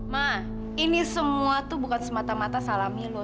ma ini semua tuh bukan semata mata salah milo